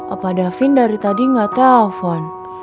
apa da vin dari tadi gak telepon